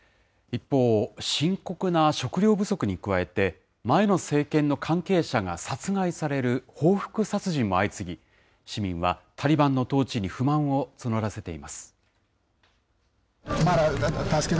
一方、深刻な食料不足に加えて、前の政権の関係者が殺害される報復殺人も相次ぎ、市民はタリバンの統治に不満を募らせています。